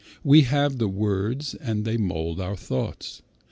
We have the words and they mould our thoughts.